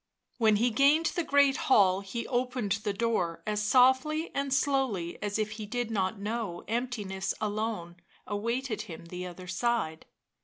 When he gained the great hall he opened the door as softly and slowly as if he did not know emptiness alone awaited him the other side.